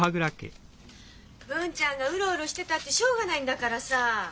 文ちゃんがウロウロしてたってしょうがないんだからさぁ。